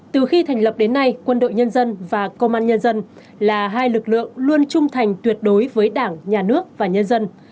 từ khi thành lập đến nay quân đội nhân dân và công an nhân dân là hai lực lượng luôn trung thành tuyệt đối với đảng nhà nước và nhân dân